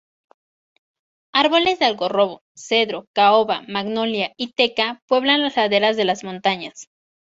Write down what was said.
Árboles de algarrobo, cedro, caoba, magnolia y teca pueblan las laderas de las montañas.